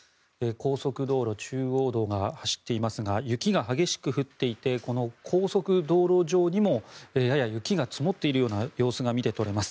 高速道路中央道が走っていますが雪が激しく降っていて高速道路上にもやや雪が積もっているような様子が見て取れます。